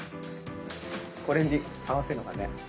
これに合わせるのがね。